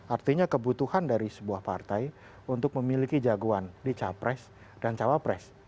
artinya kebutuhan dari sebuah partai untuk memiliki jagoan di capres dan cawapres